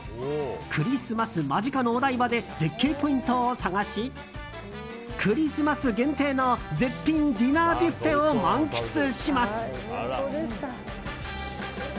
クリスマス間近のお台場で絶景ポイントを探しクリスマス限定の絶品ディナービュッフェを満喫します。